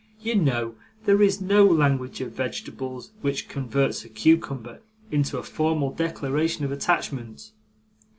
'You know, there is no language of vegetables, which converts a cucumber into a formal declaration of attachment.